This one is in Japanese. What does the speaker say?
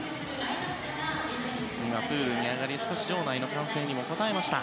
今、プールに上がり場内の歓声にも応えました。